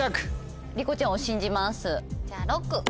じゃあＬＯＣＫ！